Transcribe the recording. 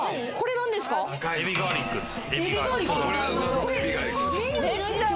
えびガーリックです。